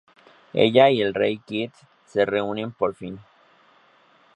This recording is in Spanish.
Ella y el Rey Kit se reúnen por fin.